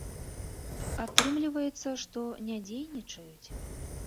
Атрымліваецца, што не дзейнічаюць?